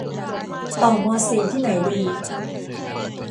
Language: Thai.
ต่อมอสี่ที่ไหนดี